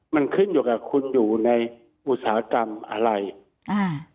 มันขึ้นอยู่กับคุณอยู่ในอุตสาหกรรมอะไรอ่า